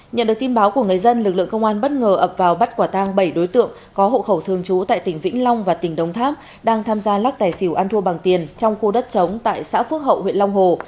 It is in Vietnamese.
nhận được tin báo của người dân lực lượng công an bất ngờ ập vào bắt quả tang bảy đối tượng có hộ khẩu thường trú tại tỉnh vĩnh long và tỉnh đồng tháp đang tham gia lắc tài xỉu ăn thua bằng tiền trong khu đất chống tại xã phước hậu huyện long hồ